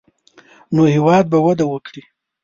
نو هېواد به وده وکړي.